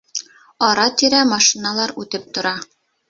Ара-тирә машиналар үтеп тора.